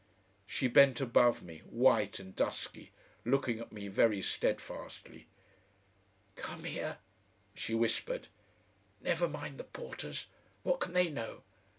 She bent above me, white and dusky, looking at me very steadfastly. "Come here," she whispered. "Never mind the porters. What can they know?